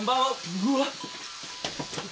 うわっ。